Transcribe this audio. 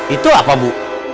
itu apa bu